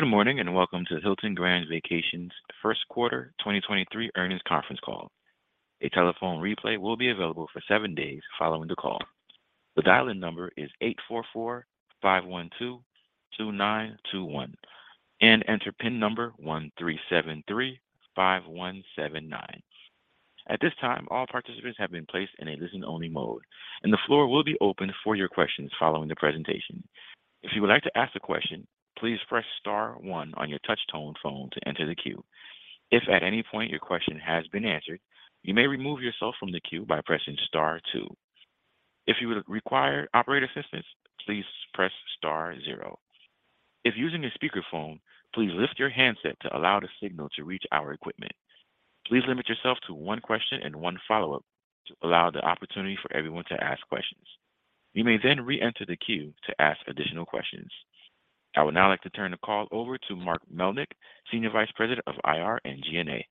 Good morning, and welcome to Hilton Grand Vacations' First Quarter 2023 Earnings Conference Call. A telephone replay will be available for seven days following the call. The dial-in number is eight four four-five one two-two nine two one, and enter pin number one three seven three five one seven nine. At this time, all participants have been placed in a listen-only mode, and the floor will be open for your questions following the presentation. If you would like to ask a question, please press star one on your touch-tone phone to enter the queue. If at any point your question has been answered, you may remove yourself from the queue by pressing star two. If you would require operator assistance, please press star zero. If using a speakerphone, please lift your handset to allow the signal to reach our equipment. Please limit yourself to one question and one follow-up to allow the opportunity for everyone to ask questions. You may re-enter the queue to ask additional questions. I would now like to turn the call over to Mark Melnyk, Senior Vice President of IR and G&A.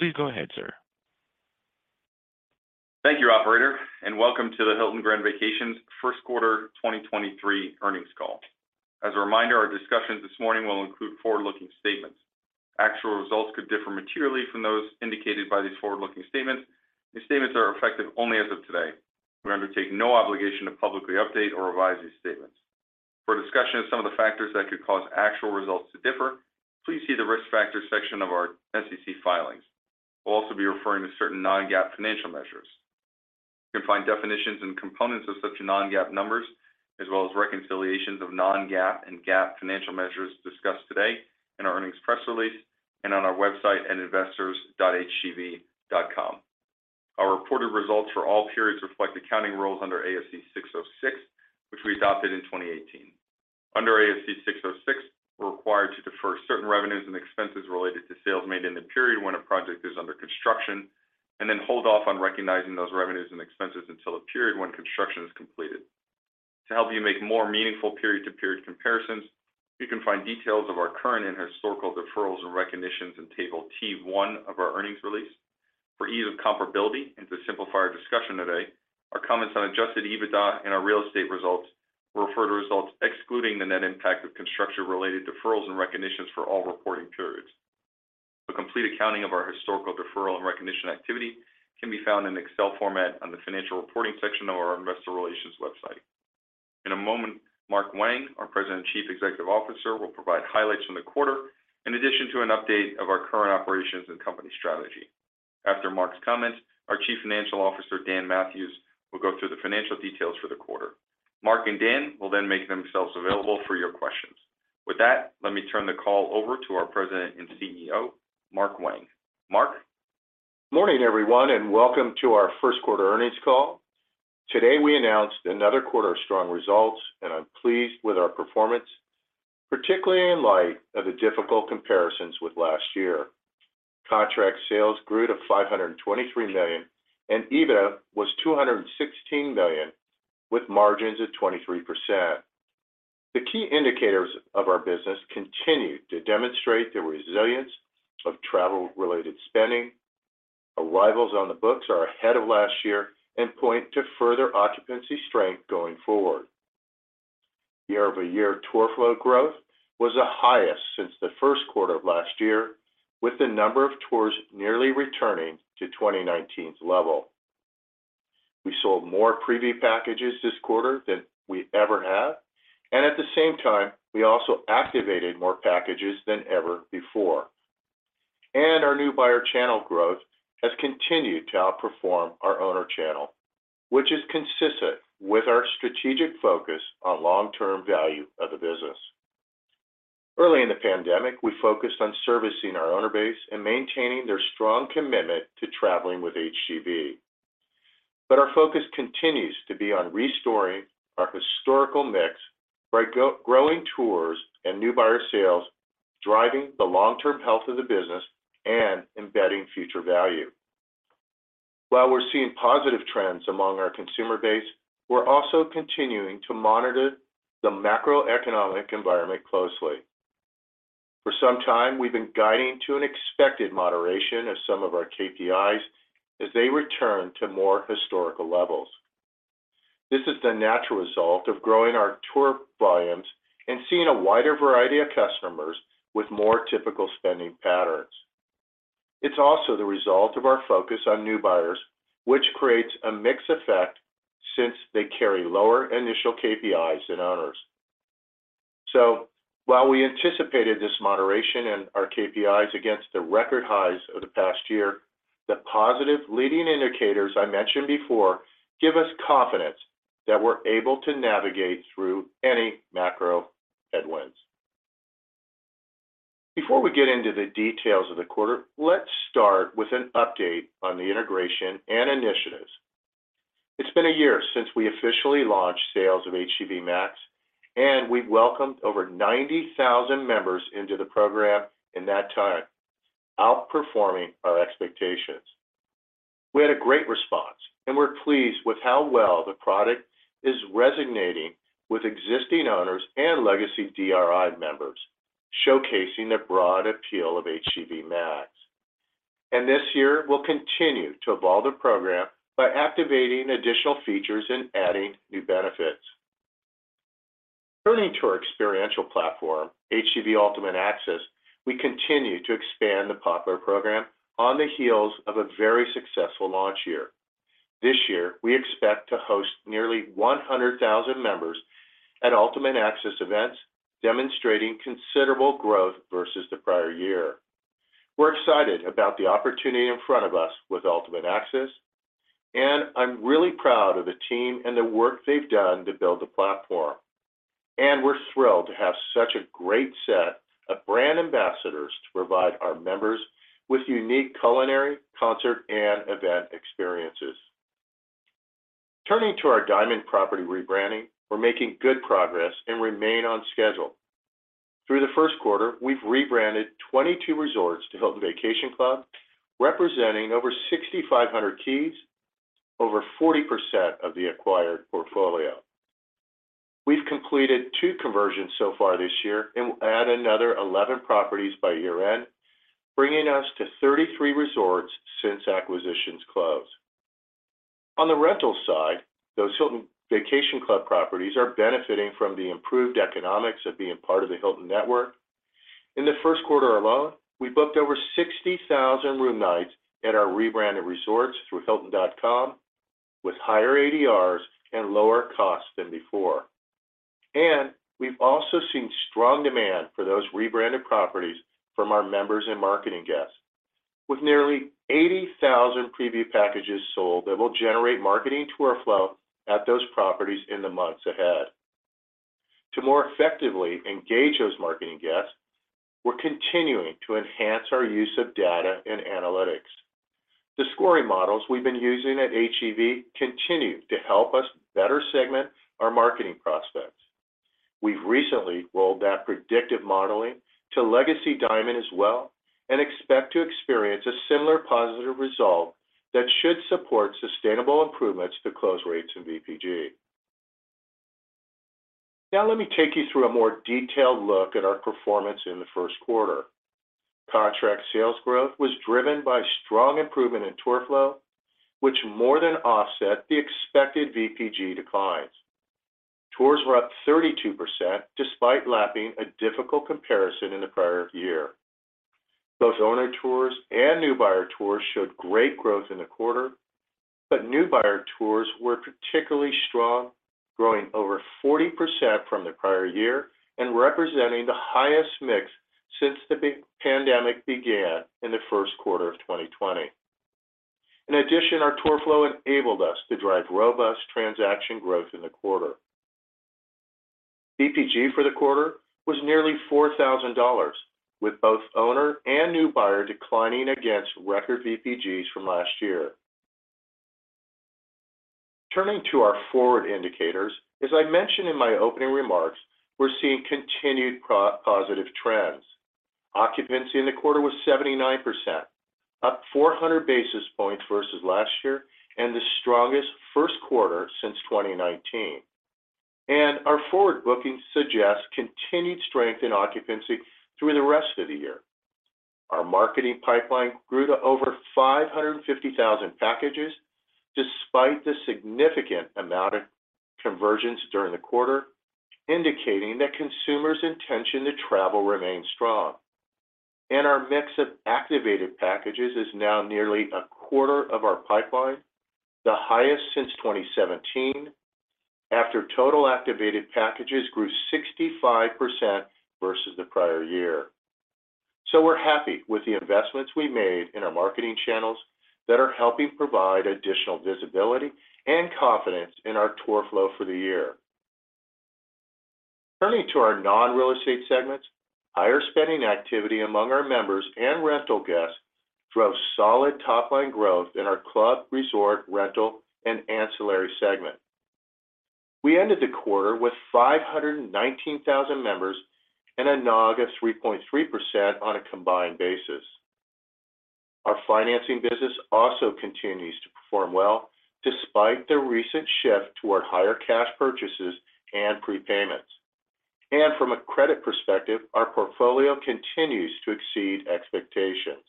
Please go ahead, sir. Thank you, operator, and welcome to the Hilton Grand Vacations First Quarter 2023 Earnings Call. As a reminder, our discussions this morning will include forward-looking statements. Actual results could differ materially from those indicated by these forward-looking statements. These statements are effective only as of today. We undertake no obligation to publicly update or revise these statements. For a discussion of some of the factors that could cause actual results to differ, please see the Risk Factors section of our SEC filings. We'll also be referring to certain non-GAAP financial measures. You can find definitions and components of such non-GAAP numbers as well as reconciliations of non-GAAP and GAAP financial measures discussed today in our earnings press release and on our website at investors.HGV.com. Our reported results for all periods reflect accounting rules under ASC 606, which we adopted in 2018. Under ASC 606, we're required to defer certain revenues and expenses related to sales made in the period when a project is under construction, and then hold off on recognizing those revenues and expenses until the period when construction is completed. To help you make more meaningful period-to-period comparisons, you can find details of our current and historical deferrals and recognitions in table T-1 of our earnings release. For ease of comparability and to simplify our discussion today, our comments on Adjusted EBITDA and our real estate results will refer to results excluding the net impact of construction-related deferrals and recognitions for all reporting periods. The complete accounting of our historical deferral and recognition activity can be found in Excel format on the financial reporting section of our investor relations website. In a moment, Mark Wang, our President and Chief Executive Officer, will provide highlights from the quarter in addition to an update of our current operations and company strategy. After Mark's comments, our Chief Financial Officer, Dan Mathewes, will go through the financial details for the quarter. Mark and Dan will then make themselves available for your questions. With that, let me turn the call over to our President and CEO, Mark Wang. Mark? Morning, everyone, and welcome to our first quarter earnings call. Today we announced another quarter of strong results, and I'm pleased with our performance, particularly in light of the difficult comparisons with last year. Contract sales grew to $523 million, and EBITDA was $216 million with margins at 23%. The key indicators of our business continued to demonstrate the resilience of travel-related spending. Arrivals on the books are ahead of last year and point to further occupancy strength going forward. Year-over-year tour flow growth was the highest since the first quarter of last year, with the number of tours nearly returning to 2019's level. We sold more preview packages this quarter than we ever have, and at the same time, we also activated more packages than ever before. Our new buyer channel growth has continued to outperform our owner channel, which is consistent with our strategic focus on long-term value of the business. Early in the pandemic, we focused on servicing our owner base and maintaining their strong commitment to traveling with HGV. Our focus continues to be on restoring our historical mix by growing tours and new buyer sales, driving the long-term health of the business and embedding future value. While we're seeing positive trends among our consumer base, we're also continuing to monitor the macroeconomic environment closely. For some time, we've been guiding to an expected moderation of some of our KPIs as they return to more historical levels. This is the natural result of growing our tour volumes and seeing a wider variety of customers with more typical spending patterns. It's also the result of our focus on new buyers, which creates a mix effect since they carry lower initial KPIs than owners. While we anticipated this moderation in our KPIs against the record highs of the past year, the positive leading indicators I mentioned before give us confidence that we're able to navigate through any macro headwinds. Before we get into the details of the quarter, let's start with an update on the integration and initiatives. It's been a year since we officially launched sales of HGV Max, and we've welcomed over 90,000 members into the program in that time, outperforming our expectations. We had a great response, and we're pleased with how well the product is resonating with existing owners and legacy DRI members, showcasing the broad appeal of HGV Max. This year, we'll continue to evolve the program by activating additional features and adding new benefits. Turning to our experiential platform, HGV Ultimate Access, we continue to expand the popular program on the heels of a very successful launch year. This year, we expect to host nearly 100,000 members at Ultimate Access events, demonstrating considerable growth versus the prior year. We're excited about the opportunity in front of us with Ultimate Access, and I'm really proud of the team and the work they've done to build the platform. We're thrilled to have such a great set of brand ambassadors to provide our members with unique culinary, concert, and event experiences. Turning to our Diamond property rebranding, we're making good progress and remain on schedule. Through the first quarter, we've rebranded 22 resorts to Hilton Vacation Club, representing over 6,500 keys, over 40% of the acquired portfolio. We've completed two conversions so far this year and will add another 11 properties by year-end, bringing us to 33 resorts since acquisitions closed. On the rental side, those Hilton Vacation Club properties are benefiting from the improved economics of being part of the Hilton network. In the first quarter alone, we booked over 60,000 room nights at our rebranded resorts through hilton.com with higher ADRs and lower costs than before. We've also seen strong demand for those rebranded properties from our members and marketing guests, with nearly 80,000 preview packages sold that will generate marketing tour flow at those properties in the months ahead. To more effectively engage those marketing guests, we're continuing to enhance our use of data and analytics. The scoring models we've been using at HGV continue to help us better segment our marketing prospects. We've recently rolled out predictive modeling to Legacy Diamond as well and expect to experience a similar positive result that should support sustainable improvements to close rates and VPG. Let me take you through a more detailed look at our performance in the first quarter. Contract sales growth was driven by strong improvement in tour flow, which more than offset the expected VPG declines. Tours were up 32% despite lapping a difficult comparison in the prior year. Those owner tours and new buyer tours showed great growth in the quarter, but new buyer tours were particularly strong, growing over 40% from the prior year and representing the highest mix since the pandemic began in the first quarter of 2020. In addition, our tour flow enabled us to drive robust transaction growth in the quarter. VPG for the quarter was nearly $4,000, with both owner and new buyer declining against record VPGs from last year. Turning to our forward indicators, as I mentioned in my opening remarks, we're seeing continued positive trends. Occupancy in the quarter was 79%, up 400 basis points versus last year and the strongest first quarter since 2019. Our forward booking suggests continued strength in occupancy through the rest of the year. Our marketing pipeline grew to over 550,000 packages despite the significant amount of conversions during the quarter, indicating that consumers' intention to travel remains strong. Our mix of activated packages is now nearly a quarter of our pipeline, the highest since 2017 after total activated packages grew 65% versus the prior year. We're happy with the investments we made in our marketing channels that are helping provide additional visibility and confidence in our tour flow for the year. Turning to our non-real estate segments, higher spending activity among our members and rental guests drove solid top-line growth in our club, resort, rental, and ancillary segment. We ended the quarter with 519,000 members and a NOG of 3.3% on a combined basis. Our financing business also continues to perform well despite the recent shift toward higher cash purchases and prepayments. From a credit perspective, our portfolio continues to exceed expectations.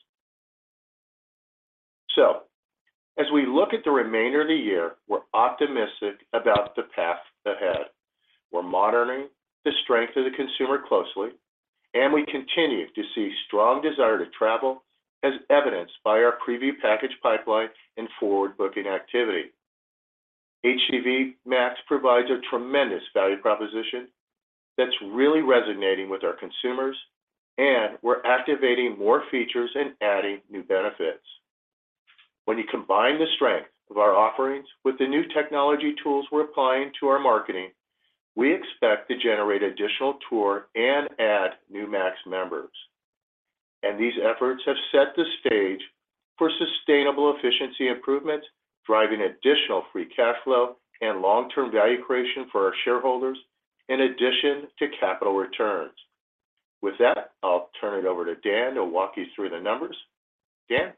As we look at the remainder of the year, we're optimistic about the path ahead. We're monitoring the strength of the consumer closely, and we continue to see strong desire to travel as evidenced by our preview package pipeline and forward booking activity. HGV Max provides a tremendous value proposition that's really resonating with our consumers, and we're activating more features and adding new benefits. When you combine the strength of our offerings with the new technology tools we're applying to our marketing, we expect to generate additional tour and add new Max members. These efforts have set the stage for sustainable efficiency improvements, driving additional free cash flow and long-term value creation for our shareholders in addition to capital returns. With that, I'll turn it over to Dan, who'll walk you through the numbers. Dan?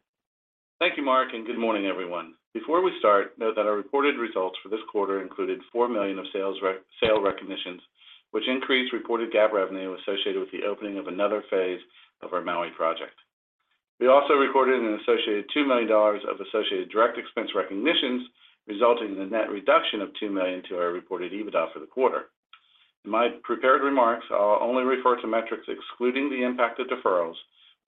Thank you, Mark, and good morning, everyone. Before we start, note that our reported results for this quarter included $4 million of sales recognitions, which increased reported GAAP revenue associated with the opening of another phase of our Maui project. We also recorded an associated $2 million of associated direct expense recognitions, resulting in a net reduction of $2 million to our reported EBITDA for the quarter. In my prepared remarks, I'll only refer to metrics excluding the impact of deferrals,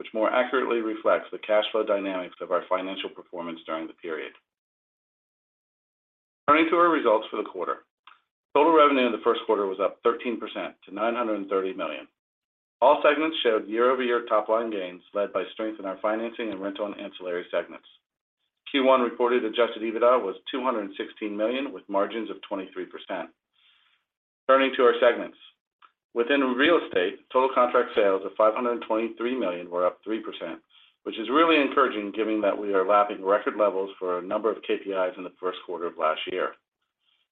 which more accurately reflects the cash flow dynamics of our financial performance during the period. Turning to our results for the quarter. Total revenue in the first quarter was up 13% to $930 million. All segments showed year-over-year top line gains led by strength in our financing and rental and ancillary segments. Q1 reported Adjusted EBITDA was $216 million with margins of 23%. Turning to our segments. Within real estate, total contract sales of $523 million were up 3%, which is really encouraging given that we are lapping record levels for a number of KPIs in the first quarter of last year.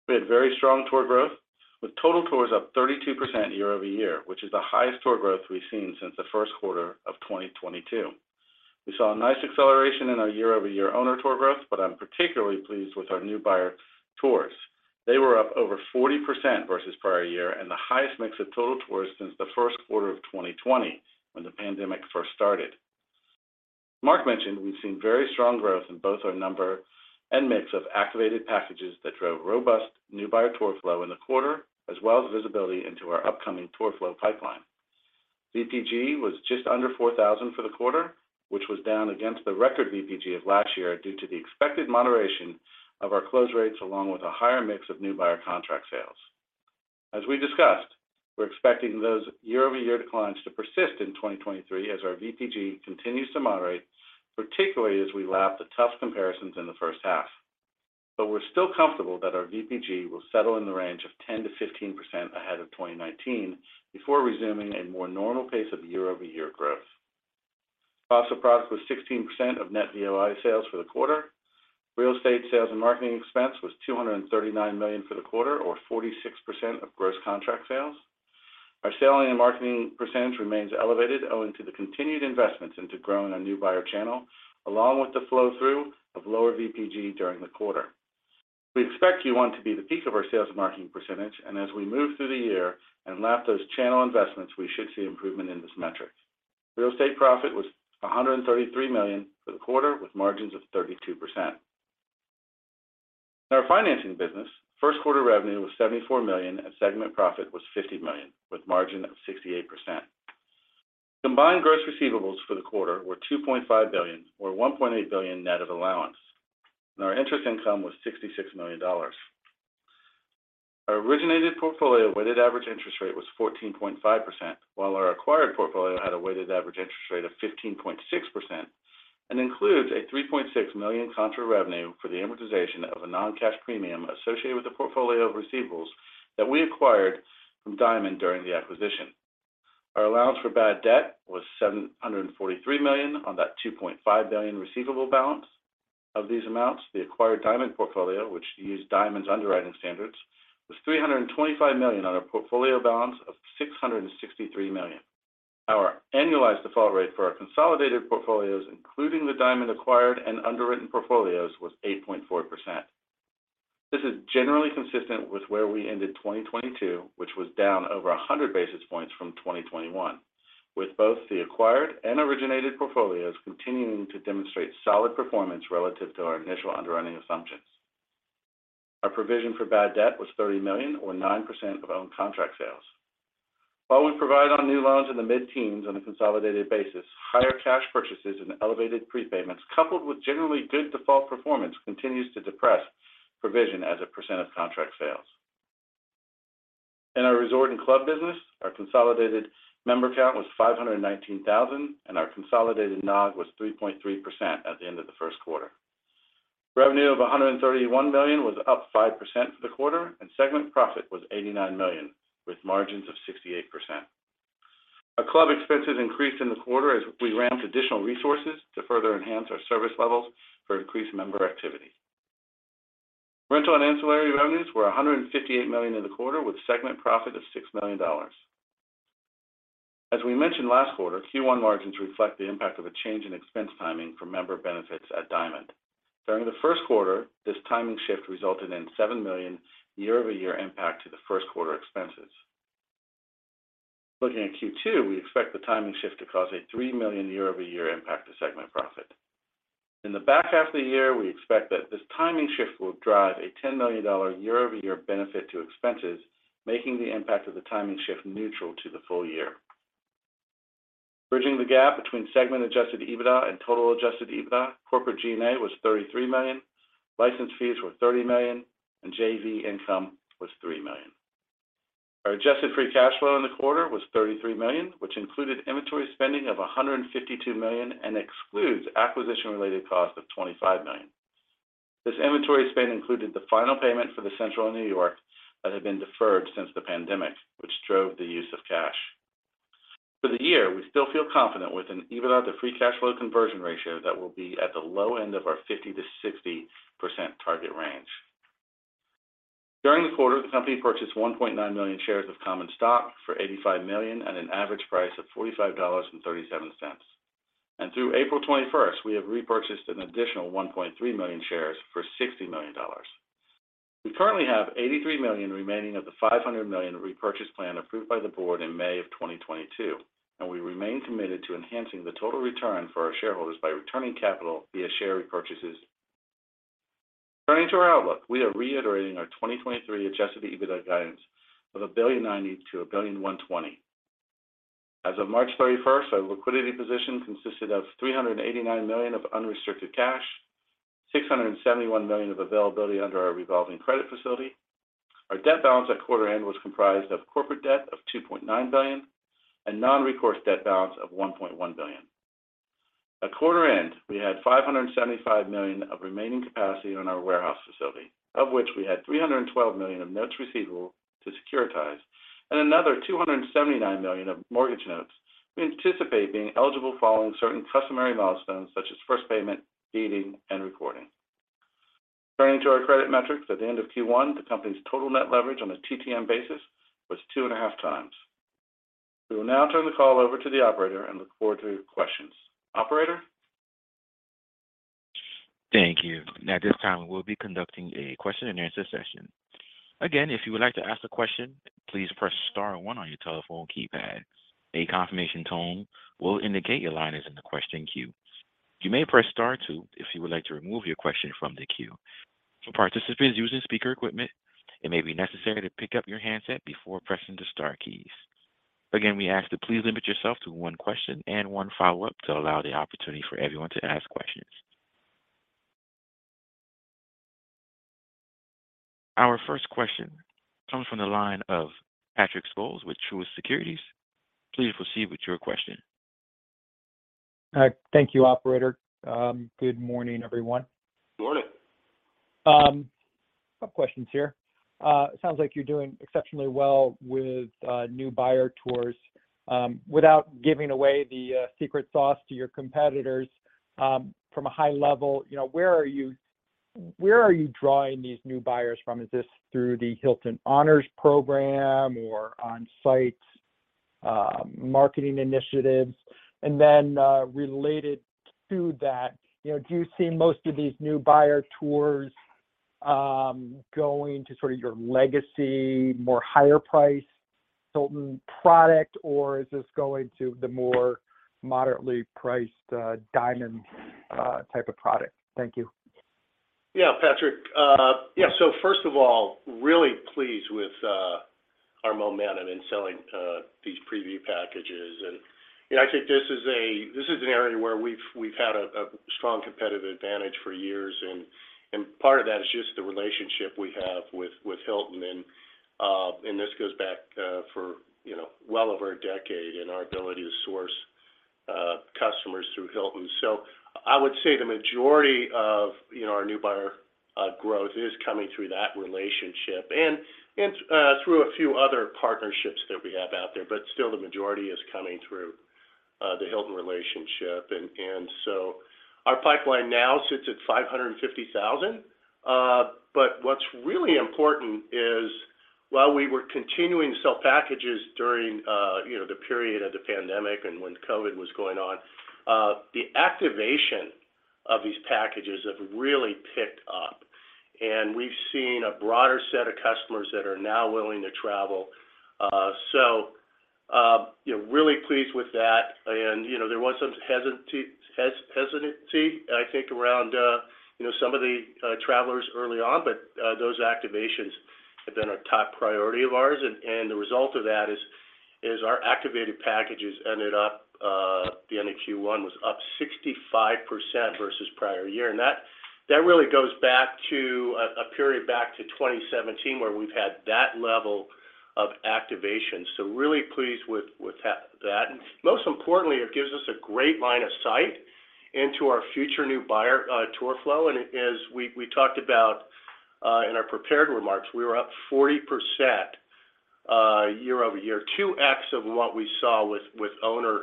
We had very strong tour growth, with total tours up 32% year-over-year, which is the highest tour growth we've seen since the first quarter of 2022. We saw a nice acceleration in our year-over-year owner tour growth. I'm particularly pleased with our new buyer tours. They were up over 40% versus prior year and the highest mix of total tours since the first quarter of 2020 when the pandemic first started. Mark mentioned we've seen very strong growth in both our number and mix of activated packages that drove robust new buyer tour flow in the quarter, as well as visibility into our upcoming tour flow pipeline. VPG was just under $4,000 for the quarter, which was down against the record VPG of last year due to the expected moderation of our close rates along with a higher mix of new buyer contract sales. As we discussed, we're expecting those year-over-year declines to persist in 2023 as our VPG continues to moderate, particularly as we lap the tough comparisons in the first half. We're still comfortable that our VPG will settle in the range of 10%-15% ahead of 2019 before resuming a more normal pace of year-over-year growth. Cost of product was 16% of net VOI sales for the quarter. Real estate sales and marketing expense was $239 million for the quarter or 46% of gross contract sales. Our selling and marketing percentage remains elevated owing to the continued investments into growing our new buyer channel along with the flow-through of lower VPG during the quarter. We expect Q1 to be the peak of our sales marketing percentage, and as we move through the year and lap those channel investments, we should see improvement in this metric. Real estate profit was $133 million for the quarter, with margins of 32%. In our financing business, first quarter revenue was $74 million, and segment profit was $50 million, with margin of 68%. Combined gross receivables for the quarter were $2.5 billion or $1.8 billion net of allowance, and our interest income was $66 million. Our originated portfolio weighted average interest rate was 14.5%, while our acquired portfolio had a weighted average interest rate of 15.6% and includes a $3.6 million contra revenue for the amortization of a non-cash premium associated with the portfolio of receivables that we acquired from Diamond during the acquisition. Our allowance for bad debt was $743 million on that $2.5 billion receivable balance. Of these amounts, the acquired Diamond portfolio, which used Diamond's underwriting standards, was $325 million on a portfolio balance of $663 million. Our annualized default rate for our consolidated portfolios, including the Diamond acquired and underwritten portfolios, was 8.4%. This is generally consistent with where we ended 2022, which was down over 100 basis points from 2021, with both the acquired and originated portfolios continuing to demonstrate solid performance relative to our initial underwriting assumptions. Our provision for bad debt was $30 million or 9% of owned contract sales. While we provide on new loans in the mid-teens on a consolidated basis, higher cash purchases and elevated prepayments coupled with generally good default performance continues to depress provision as a percent of contract sales. In our resort and club business, our consolidated member count was 519,000, and our consolidated NOG was 3.3% at the end of the first quarter. Revenue of $131 million was up 5% for the quarter, and segment profit was $89 million with margins of 68%. Our club expenses increased in the quarter as we ramped additional resources to further enhance our service levels for increased member activity. Rental and ancillary revenues were $158 million in the quarter with segment profit of $6 million. We mentioned last quarter, Q1 margins reflect the impact of a change in expense timing for member benefits at Diamond. During the first quarter, this timing shift resulted in $7 million year-over-year impact to the first quarter expenses. Looking at Q2, we expect the timing shift to cause a $3 million year-over-year impact to segment profit. In the back half of the year, we expect that this timing shift will drive a $10 million year-over-year benefit to expenses, making the impact of the timing shift neutral to the full year. Bridging the gap between segment Adjusted EBITDA and total Adjusted EBITDA, corporate G&A was $33 million, license fees were $30 million, and JV income was $3 million. Our adjusted free cash flow in the quarter was $33 million, which included inventory spending of $152 million and excludes acquisition-related costs of $25 million. This inventory spend included the final payment for The Central in New York that had been deferred since the pandemic, which drove the use of cash. For the year, we still feel confident with an EBITDA to free cash flow conversion ratio that will be at the low end of our 50%-60% target range. During the quarter, the company purchased 1.9 million shares of common stock for $85 million at an average price of $45.37. Through April 21st, we have repurchased an additional 1.3 million shares for $60 million. We currently have $83 million remaining of the $500 million repurchase plan approved by the board in May of 2022, and we remain committed to enhancing the total return for our shareholders by returning capital via share repurchases. Turning to our outlook, we are reiterating our 2023 Adjusted EBITDA guidance of $1.09 billion-$1.12 billion. As of March 31st, our liquidity position consisted of $389 million of unrestricted cash, $671 million of availability under our revolving credit facility. Our debt balance at quarter end was comprised of corporate debt of $2.9 billion and non-recourse debt balance of $1.1 billion. At quarter end, we had $575 million of remaining capacity on our warehouse facility, of which we had $312 million of notes receivable to securitize and another $279 million of mortgage notes we anticipate being eligible following certain customary milestones such as first payment, feeding, and recording. Turning to our credit metrics, at the end of Q1, the company's total net leverage on a TTM basis was 2.5x. We will now turn the call over to the operator and look forward to questions. Operator? Thank you. At this time, we'll be conducting a question and answer session. Again, if you would like to ask a question, please press star one on your telephone keypad. A confirmation tone will indicate your line is in the question queue. You may press star two if you would like to remove your question from the queue. For participants using speaker equipment, it may be necessary to pick up your handset before pressing the star keys. Again, we ask that please limit yourself to one question and one follow-up to allow the opportunity for everyone to ask questions. Our first question comes from the line of Patrick Scholes with Truist Securities. Please proceed with your question. Thank you, operator. good morning, everyone. Good morning. Couple questions here. It sounds like you're doing exceptionally well with new buyer tours. Without giving away the secret sauce to your competitors, from a high level, you know, where are you drawing these new buyers from? Is this through the Hilton Honors program or on-site marketing initiatives? Related to that, you know, do you see most of these new buyer tours going to sort of your legacy, more higher price Hilton product, or is this going to the more moderately priced Diamond type of product? Thank you. Patrick. Yeah. First of all, really pleased with our momentum in selling these preview packages. You know, I think this is an area where we've had a strong competitive advantage for years, and part of that is just the relationship we have with Hilton, and this goes back for, you know, well over a decade and our ability to source customers through Hilton. I would say the majority of, you know, our new buyer growth is coming through that relationship and through a few other partnerships that we have out there, but still the majority is coming through the Hilton relationship. Our pipeline now sits at 550,000. What's really important is while we were continuing to sell packages during, you know, the period of the pandemic and when COVID was going on, the activation of these packages have really picked up. We've seen a broader set of customers that are now willing to travel. You know, really pleased with that. You know, there was some hesitancy, I think, around, you know, some of the travelers early on, but those activations have been a top priority of ours. The result of that is our activated packages ended up, the end of Q1 was up 65% versus prior year. That really goes back to a period back to 2017 where we've had that level of activation. Really pleased with that. Most importantly, it gives us a great line of sight into our future new buyer tour flow. As we talked about in our prepared remarks, we were up 40% year-over-year, 2x of what we saw with owner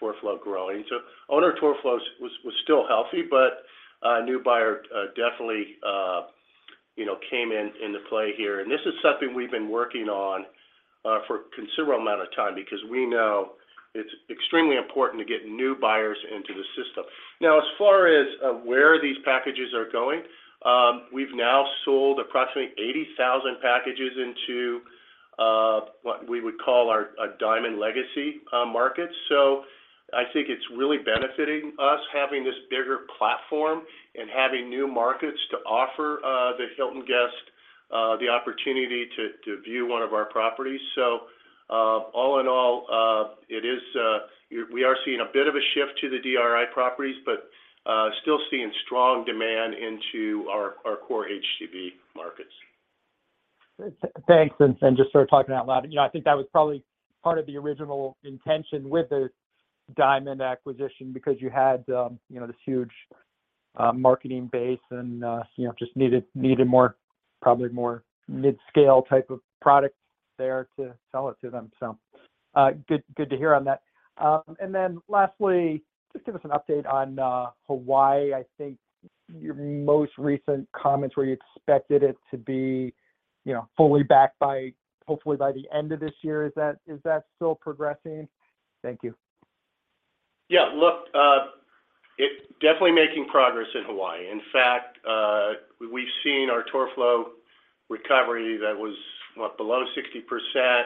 tour flow growing. Owner tour flow was still healthy, but new buyer definitely, you know, came into play here. This is something we've been working on for a considerable amount of time because we know it's extremely important to get new buyers into the system. Now, as far as where these packages are going, we've now sold approximately 80,000 packages into what we would call a Diamond legacy market. I think it's really benefiting us having this bigger platform and having new markets to offer, the Hilton guest, the opportunity to view one of our properties. All in all, it is, we are seeing a bit of a shift to the DRI properties, but still seeing strong demand into our core HGV markets. Thanks. Just sort of talking out loud, you know, I think that was probably part of the original intention with the Diamond acquisition because you had, you know, this huge marketing base and, you know, just needed more, probably more mid-scale type of product. There to sell it to them. Good to hear on that. Lastly, just give us an update on Hawaii. I think your most recent comments where you expected it to be, you know, fully back by hopefully by the end of this year. Is that still progressing? Thank you. Look, it's definitely making progress in Hawaii. In fact, we've seen our tour flow recovery that was, what, below 60%,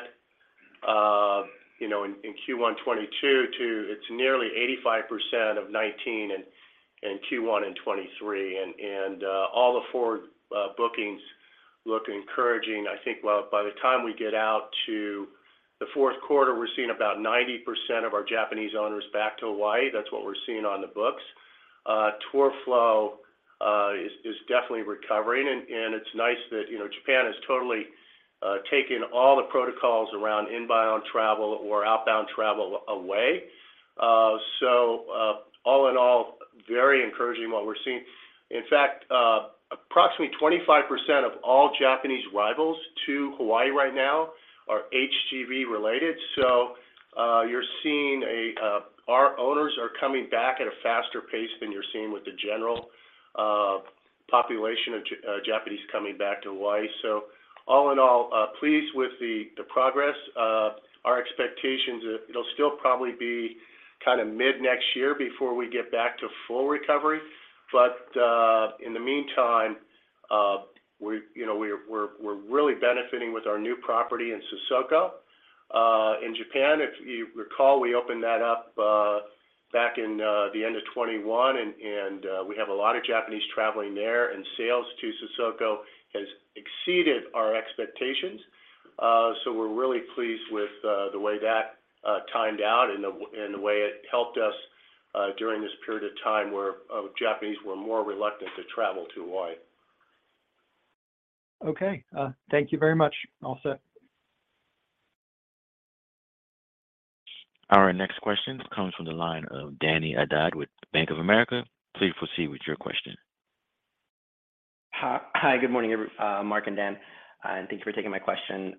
in Q1 2022 to it's nearly 85% of 2019 in Q1 2023. All the forward bookings look encouraging. I think by the time we get out to the fourth quarter, we're seeing about 90% of our Japanese owners back to Hawaii. That's what we're seeing on the books. Tour flow is definitely recovering and it's nice that Japan has totally taken all the protocols around inbound travel or outbound travel away. All in all, very encouraging what we're seeing. In fact, approximately 25% of all Japanese arrivals to Hawaii right now are HGV related. Our owners are coming back at a faster pace than you're seeing with the general population of Japanese coming back to Hawaii. All in all, pleased with the progress. Our expectations are it'll still probably be kinda mid-next year before we get back to full recovery. In the meantime, we, you know, we're really benefiting with our new property in Sesoko in Japan. If you recall, we opened that up back in the end of 2021 and we have a lot of Japanese traveling there, and sales to Sesoko has exceeded our expectations. We're really pleased with the way that timed out and the way it helped us during this period of time where Japanese were more reluctant to travel to Hawaii. Okay. Thank you very much. All set. Our next question comes from the line of Dany Asad with Bank of America. Please proceed with your question. Hi. Good morning, every Mark and Dan, and thank you for taking my question.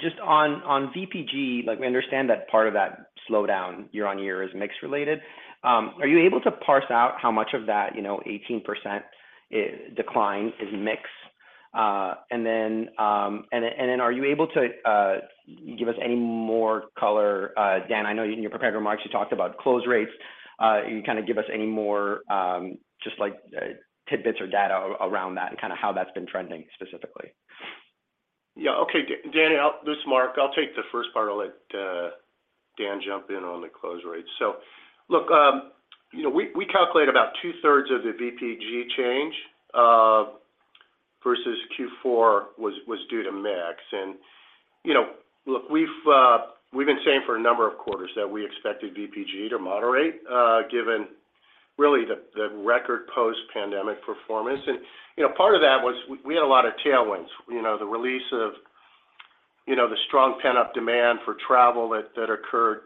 just on VPG, like we understand that part of that slowdown year-over-year is mix related. Are you able to parse out how much of that, you know, 18% decline is mix? Are you able to give us any more color? Dan, I know in your prepared remarks you talked about close rates. Can you kinda give us any more just like tidbits or data around that and kinda how that's been trending specifically? Yeah. Okay. Dany, This is Mark. I'll take the first part. I'll let Dan jump in on the close rates. Look, you know, we calculate about two-thirds of the VPG change versus Q4 was due to mix. You know, look, we've been saying for a number of quarters that we expected VPG to moderate given really the record post-pandemic performance. You know, part of that was we had a lot of tailwinds. You know, the release of, you know, the strong pent-up demand for travel that occurred,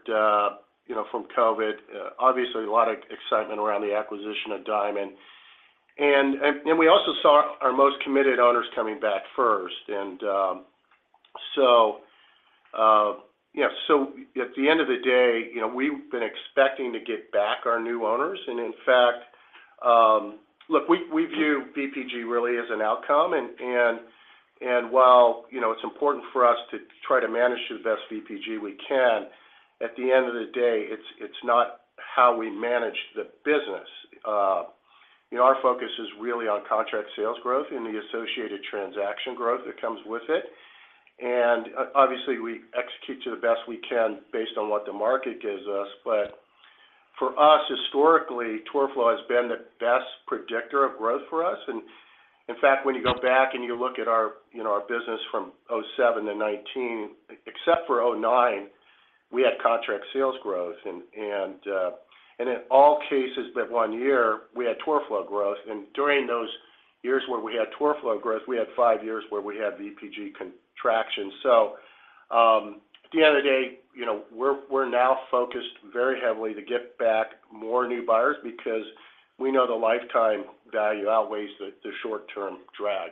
you know, from COVID. Obviously a lot of excitement around the acquisition of Diamond. We also saw our most committed owners coming back first. You know, so at the end of the day, you know, we've been expecting to get back our new owners. In fact, look, we view VPG really as an outcome. While, you know, it's important for us to try to manage the best VPG we can, at the end of the day, it's not how we manage the business. You know, our focus is really on contract sales growth and the associated transaction growth that comes with it. Obviously, we execute to the best we can based on what the market gives us. For us, historically, tour flow has been the best predictor of growth for us. In fact, when you go back and you look at our, you know, our business from 2007-2019, except for 2009, we had contract sales growth. In all cases but one year, we had tour flow growth, and during those years where we had tour flow growth, we had five years where we had VPG contraction. At the end of the day, you know, we're now focused very heavily to get back more new buyers because we know the lifetime value outweighs the short term drag.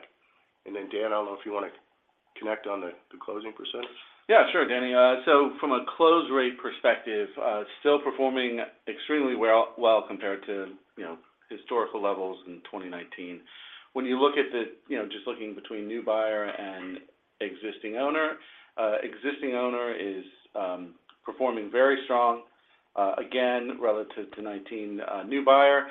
Then Dan, I don't know if you wanna connect on the closing percentage? Yeah, sure, Danny. From a close rate perspective, still performing extremely well compared to, you know, historical levels in 2019. When you look at the, you know, just looking between new buyer and existing owner, existing owner is performing very strong, again, relative to 2019. New buyer,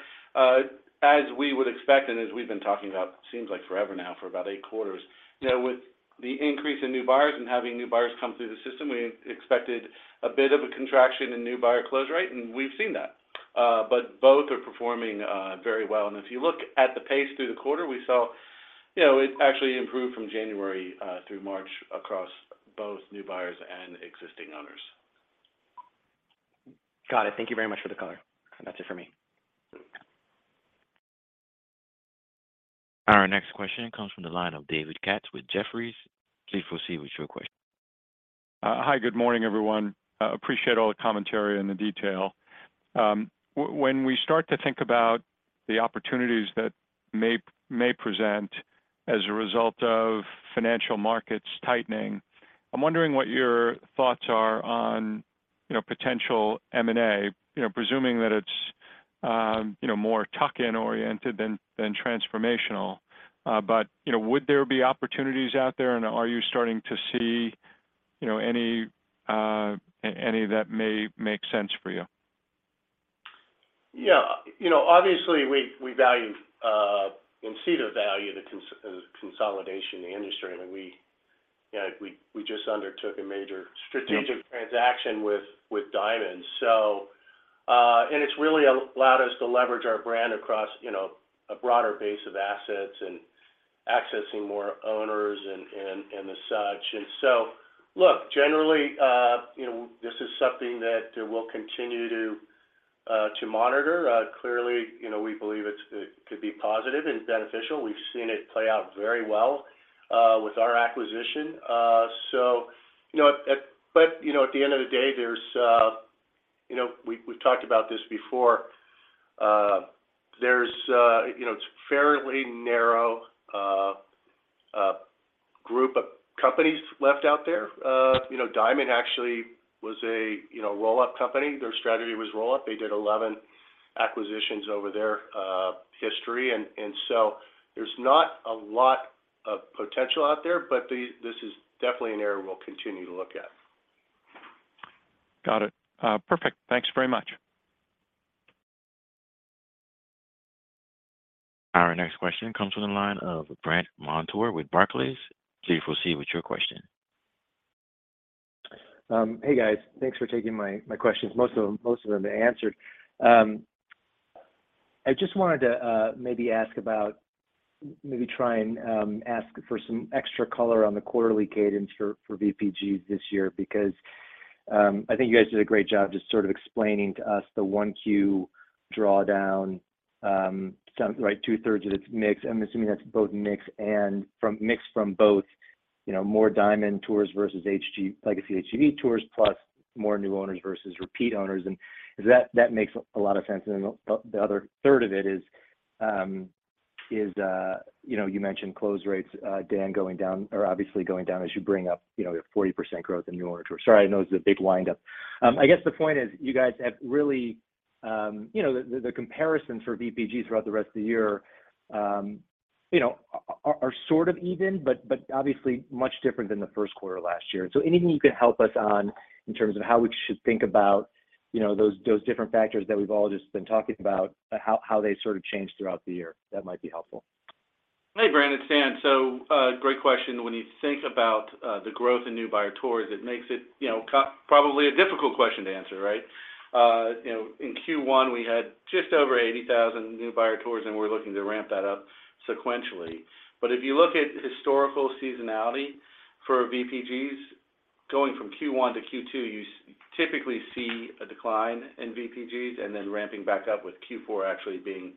as we would expect and as we've been talking about seems like forever now for about eight quarters, you know, with the increase in new buyers and having new buyers come through the system, we expected a bit of a contraction in new buyer close rate, and we've seen that. Both are performing very well. If you look at the pace through the quarter, we saw, you know, it actually improved from January through March across both new buyers and existing owners. Got it. Thank you very much for the color. That's it for me. Our next question comes from the line of David Katz with Jefferies. Please proceed with your question. Hi, good morning, everyone. Appreciate all the commentary and the detail. When we start to think about the opportunities that may present as a result of financial markets tightening, I'm wondering what your thoughts are on, you know, potential M&A. You know, presuming that it's, you know, more tuck-in oriented than transformational. You know, would there be opportunities out there, and are you starting to see, you know, any that may make sense for you? Yeah. You know, obviously, we value, and see the value in the consolidation in the industry. I mean, we, you know, we just undertook a major strategic transaction with Diamond. It's really allowed us to leverage our brand across, you know, a broader base of assets and accessing more owners and the such. Look, generally, you know, this is something that we'll continue to monitor. Clearly, you know, we believe it's, it could be positive and beneficial. We've seen it play out very well with our acquisition. You know, at the end of the day, there's... You know, we've talked about this before. There's... You know, it's a fairly narrow group of companies left out there. You know, Diamond actually was a, you know, roll-up company. Their strategy was roll-up. They did 11 acquisitions over their history. There's not a lot of potential out there, this is definitely an area we'll continue to look at. Got it. Perfect. Thanks very much. Our next question comes from the line of Brandt Montour with Barclays. Please proceed with your question. Hey, guys. Thanks for taking my questions. Most of them are answered. I just wanted to maybe try and ask for some extra color on the quarterly cadence for VPGs this year because I think you guys did a great job just sort of explaining to us the 1Q drawdown, sound like two-thirds of its mix. I'm assuming that's both mix and mix from both, you know, more Diamond tours versus legacy HGV tours, plus more new owners versus repeat owners, and that makes a lot of sense. The other third of it is, you know, you mentioned close rates, Dan, going down or obviously going down as you bring up, you know, your 40% growth in new owner tours. Sorry, I know it's a big wind-up. I guess the point is, you guys have really, you know, the comparisons for VPGs throughout the rest of the year, you know, are sort of even, but obviously much different than the first quarter last year. Anything you could help us on in terms of how we should think about, you know, those different factors that we've all just been talking about, how they sort of change throughout the year, that might be helpful. Hey, Brandt, it's Dan. Great question. When you think about the growth in new buyer tours, it makes it, you know, probably a difficult question to answer, right? You know, in Q1, we had just over 80,000 new buyer tours, and we're looking to ramp that up sequentially. If you look at historical seasonality for VPGs, going from Q1-Q2, you typically see a decline in VPGs and then ramping back up with Q4 actually being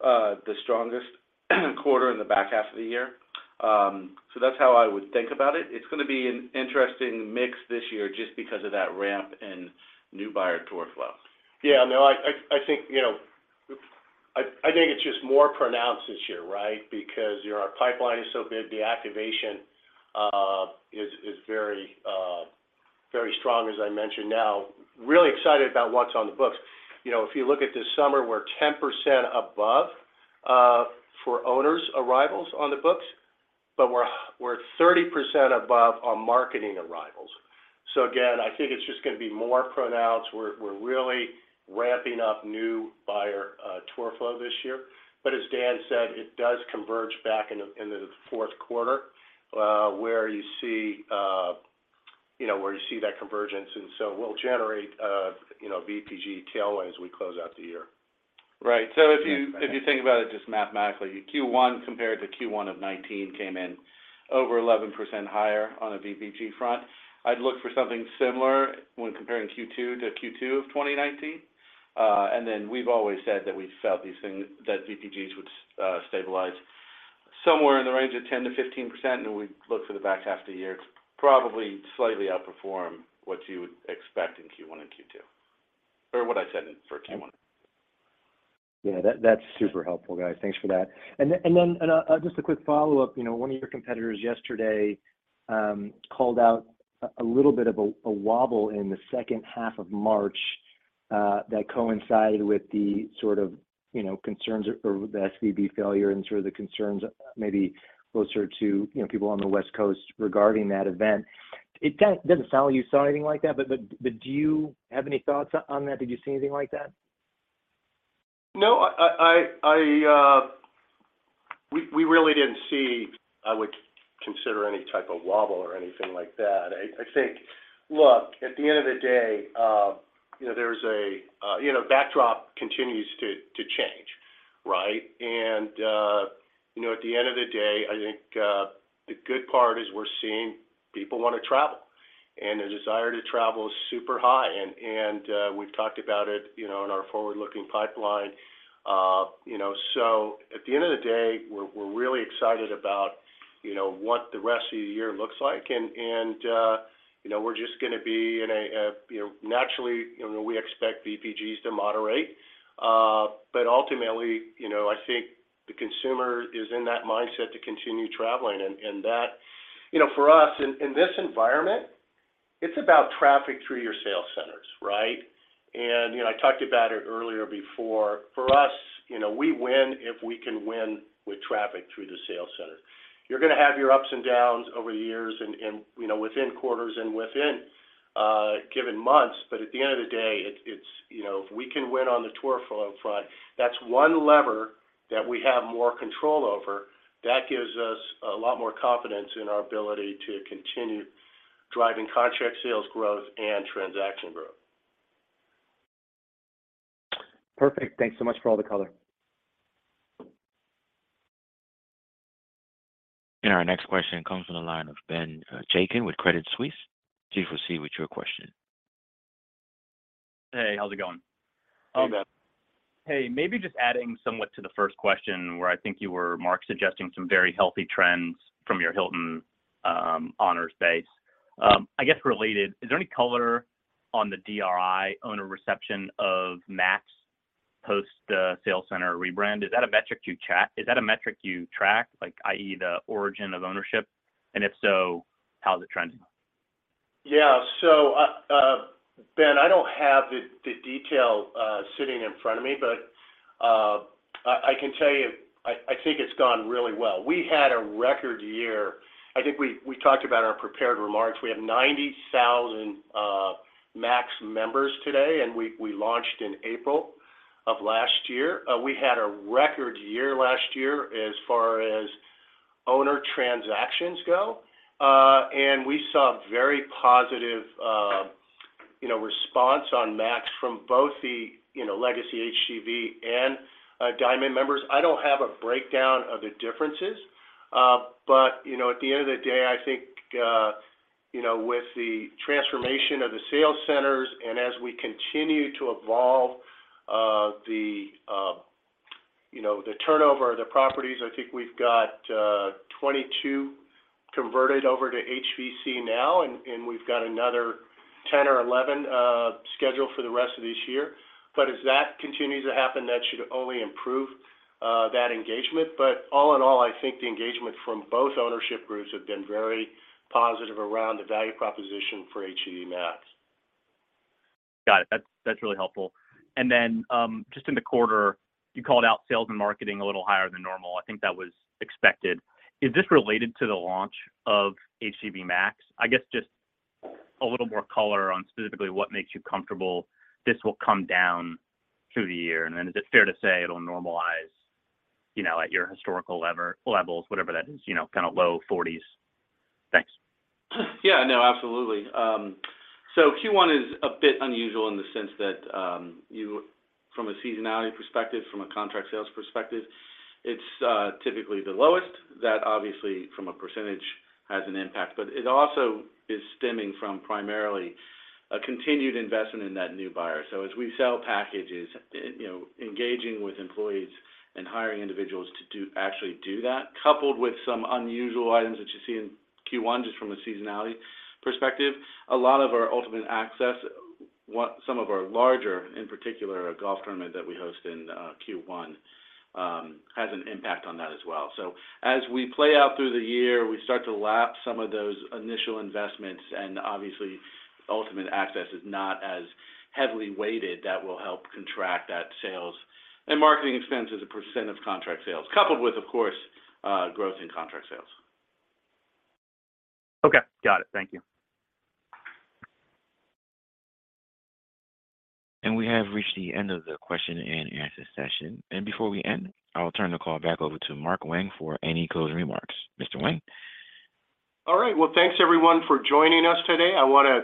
the strongest quarter in the back half of the year. That's how I would think about it. It's gonna be an interesting mix this year just because of that ramp in new buyer tour flow. Yeah. No, I think, you know, I think it's just more pronounced this year, right? Because your pipeline is so big, the activation is very strong, as I mentioned. Now, really excited about what's on the books. You know, if you look at this summer, we're 10% above for owners' arrivals on the books, but we're 30% above on marketing arrivals. Again, I think it's just gonna be more pronounced. We're really ramping up new buyer tour flow this year. As Dan said, it does converge back in the fourth quarter, you know, where you see that convergence. We'll generate, you know, VPG tailwind as we close out the year. Right. If you think about it just mathematically, your Q1 compared to Q1 of 2019 came in over 11% higher on a VPG front. I'd look for something similar when comparing Q2-Q2 of 2019. We've always said that we felt these things, that VPGs would stabilize somewhere in the range of 10%-15%, and we look for the back half of the year to probably slightly outperform what you would expect in Q1 and Q2, or what I said for Q1. Yeah. That's super helpful, guys. Thanks for that. Just a quick follow-up. You know, one of your competitors yesterday called out a little bit of a wobble in the second half of March that coincided with the sort of, you know, concerns or the SVB failure and sort of the concerns maybe closer to, you know, people on the West Coast regarding that event. It doesn't sound like you saw anything like that, but do you have any thoughts on that? Did you see anything like that? No. I really didn't see, I would consider any type of wobble or anything like that. I think Look, at the end of the day, you know, there's a, You know, backdrop continues to change, right? You know, at the end of the day, I think the good part is we're seeing people wanna travel, and the desire to travel is super high. We've talked about it, you know, in our forward-looking pipeline. You know, at the end of the day, we're really excited about. You know, what the rest of the year looks like, and, you know, we're just gonna be in a You know, naturally, you know, we expect VPGs to moderate. Ultimately, you know, I think the consumer is in that mindset to continue traveling. You know, for us in this environment, it's about traffic through your sales centers, right? You know, I talked about it earlier before. For us, you know, we win if we can win with traffic through the sales center. You're gonna have your ups and downs over the years and, you know, within quarters and within given months. At the end of the day, it's, you know, if we can win on the tour front, that's one lever that we have more control over. That gives us a lot more confidence in our ability to continue driving contract sales growth and transaction growth. Perfect. Thanks so much for all the color. Our next question comes from the line of Ben Chaiken with Credit Suisse. Please proceed with your question. Hey, how's it going? Hey, Ben. Hey. Maybe just adding somewhat to the first question where I think you were, Mark, suggesting some very healthy trends from your Hilton, Honors base. I guess related, is there any color on the DRI owner reception of MAX post the sales center rebrand? Is that a metric you track, like i.e., the origin of ownership? If so, how's it trending? Yeah. Ben, I don't have the detail sitting in front of me, but I can tell you I think it's gone really well. We had a record year. I think we talked about our prepared remarks. We have 90,000 HGV Max members today, and we launched in April of last year. We had a record year last year as far as owner transactions go. We saw very positive, you know, response on HGV Max from both the, you know, legacy HGV and Diamond members. I don't have a breakdown of the differences. You know, at the end of the day, I think, you know, with the transformation of the sales centers and as we continue to evolve, the, you know, the turnover of the properties, I think we've got 22 converted over to HVC now, and we've got another 10 or 11 scheduled for the rest of this year. As that continues to happen, that should only improve that engagement. All in all, I think the engagement from both ownership groups have been very positive around the value proposition for HGV Max. Got it. That's really helpful. Then, just in the quarter, you called out sales and marketing a little higher than normal. I think that was expected. Is this related to the launch of HGV Max? I guess just a little more color on specifically what makes you comfortable this will come down through the year. Then is it fair to say it'll normalize, you know, at your historical levels, whatever that is, you know, kind of low forties. Thanks. No, absolutely. Q1 is a bit unusual in the sense that from a seasonality perspective, from a contract sales perspective, it's typically the lowest that obviously from a percentage has an impact. It also is stemming from primarily a continued investment in that new buyer. As we sell packages, you know, engaging with employees and hiring individuals to actually do that, coupled with some unusual items that you see in Q1 just from a seasonality perspective, a lot of our Ultimate Access, what some of our larger, in particular, a golf tournament that we host in Q1, has an impact on that as well. As we play out through the year, we start to lap some of those initial investments, and obviously, Ultimate Access is not as heavily weighted. That will help contract that sales and marketing expense as a % of contract sales, coupled with, of course, growth in contract sales. Okay. Got it. Thank you. We have reached the end of the question and answer session. Before we end, I will turn the call back over to Mark Wang for any closing remarks. Mr. Wang? All right. Well, thanks everyone for joining us today. I wanna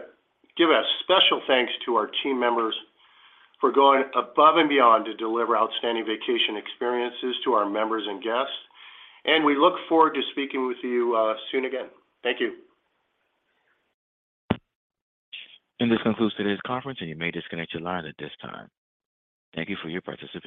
give a special thanks to our team members for going above and beyond to deliver outstanding vacation experiences to our members and guests. We look forward to speaking with you soon again. Thank you. This concludes today's conference, and you may disconnect your line at this time. Thank you for your participation.